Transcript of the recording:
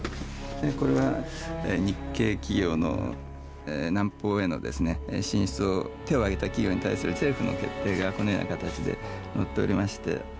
これが日系企業の南方への進出に手を挙げた企業に対する政府の決定がこのような形で載っておりまして。